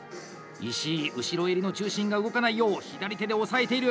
石井後ろ襟の中心が動かないよう左手で押さえている！